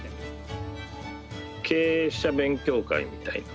経営者勉強会みたいな。